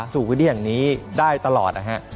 สู่พื้นที่อย่างนี้ได้ตลอดครับ